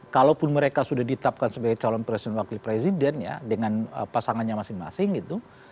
kalaupun mereka sudah ditetapkan sebagai calon presiden wakil presiden ya dengan pasangannya masing masing gitu